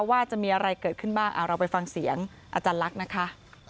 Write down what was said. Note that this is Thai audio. ว่าจะมีอะไรเกิดขึ้นบ้างเราไปฟังเสียงอาจารย์ลักษณ์นะคะ